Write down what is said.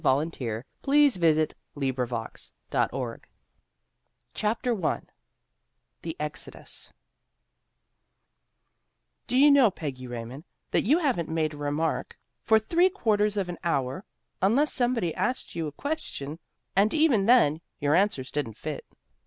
HOME SWEET HOME 307 PEGGY RAYMOND'S VACATION CHAPTER I THE EXODUS "Do you know, Peggy Raymond, that you haven't made a remark for three quarters of an hour, unless somebody asked you a question? and, even then, your answers didn't fit."